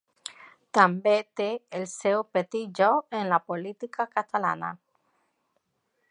També té el seu petit lloc en la política catalana.